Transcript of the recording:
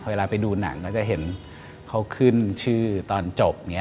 เวลาไปดูหนังก็จะเห็นเขาขึ้นชื่อตอนจบอย่างนี้